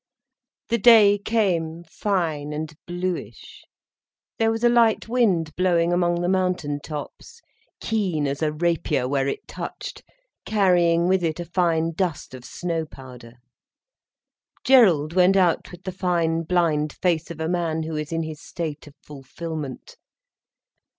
The day came fine and bluish. There was a light wind blowing among the mountain tops, keen as a rapier where it touched, carrying with it a fine dust of snow powder. Gerald went out with the fine, blind face of a man who is in his state of fulfilment.